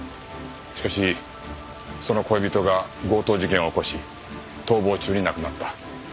しかしその恋人が強盗事件を起こし逃亡中に亡くなった。